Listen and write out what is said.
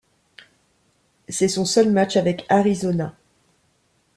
C'est son seul match avec Arizona.